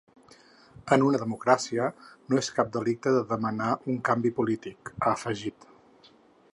En una democràcia no és cap delicte de demanar un canvi polític, ha afegit.